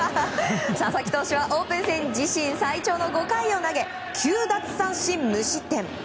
佐々木投手はオープン戦自身最長の５回を投げ９奪三振無失点。